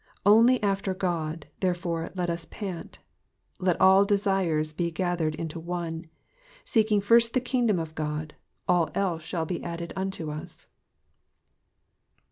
Only after God, therefore, let us pant. Let all desires be gathered into one. Seeking first the kingdom of God — all else shall be added unto us.